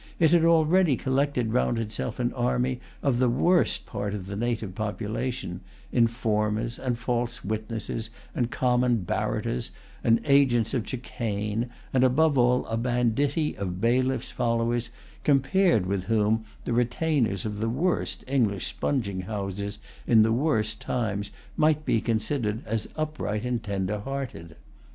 It had already collected round itself an army of the worst part of the native population, informers, and false witnesses, and common barrators, and agents of chicane, and, above all, a banditti of bailiffs' followers, compared with whom the retainers of the worst English sponging houses, in[Pg 171] the worst times, might be considered as upright and tender hearted.